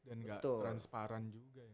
dan gak transparan juga